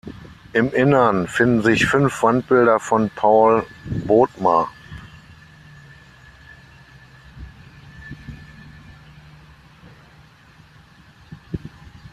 Im Innern finden sich fünf Wandbilder von Paul Bodmer.